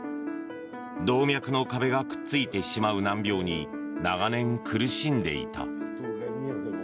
動脈の壁がくっついてしまう難病に長年苦しんでいた。